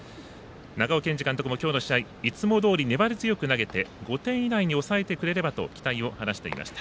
長尾健司監督も今日の試合、いつもどおり粘り強く投げて５点以内に抑えてくれればと期待を話していました。